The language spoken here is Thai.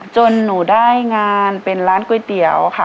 หนูได้งานเป็นร้านก๋วยเตี๋ยวค่ะ